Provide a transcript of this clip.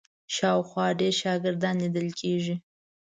شاوخوا ډېر شاګردان لیدل کېدل.